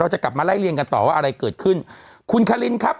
จะกลับมาไล่เรียงกันต่อว่าอะไรเกิดขึ้นคุณคารินครับ